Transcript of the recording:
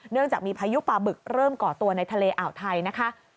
จากมีพายุปลาบึกเริ่มก่อตัวในทะเลอ่าวไทยนะคะ